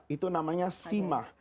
itu namanya simah